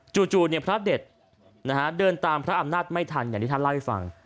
จู่พระเด็ดเดินตามพระอำนาจไม่ทันอย่างที่ท่านเล่าให้ฟัง